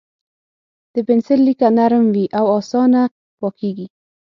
د پنسل لیکه نرم وي او اسانه پاکېږي.